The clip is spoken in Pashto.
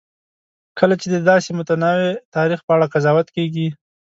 کله چې د داسې متنوع تاریخ په اړه قضاوت کېږي.